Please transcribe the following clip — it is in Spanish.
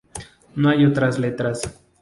No hay otras letras.